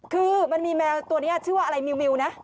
คือมันมีแมวตัวนี้ชื่อว่าอะไรมิวนะ